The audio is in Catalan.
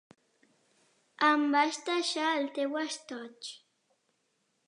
Em vas deixar el teu estoig.